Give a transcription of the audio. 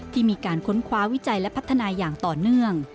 ที่มีการค้นคว้าวิจัยและพัฒนาอย่างต่อเนื่อง